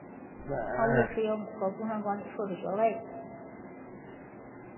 他亦持有美国工商管理硕士学位。